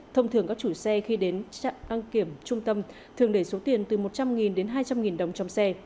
thông thường các chủ xe khi đến trạm đăng kiểm trung tâm thường để số tiền từ một trăm linh đến hai trăm linh đồng trong xe